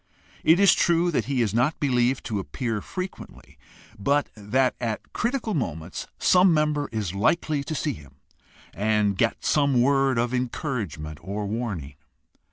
It is true that he is not believed to appear frequently, but that at critical moments some member is likely to see him and get some word of encouragement or warning.